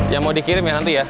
yang mau dikirim ya nanti ya